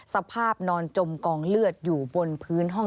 สภาพนอนจมกองเลือดอยู่บนพื้นห้อง